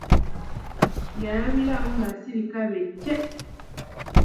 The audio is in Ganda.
Yalabira awo ng'esirika be cce.